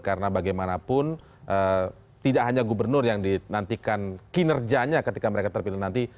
karena bagaimanapun tidak hanya gubernur yang dinantikan kinerjanya ketika mereka terpilih nanti